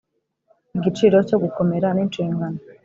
igiciro cyo gukomera ninshingano